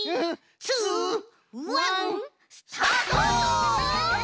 ツーワンスタート！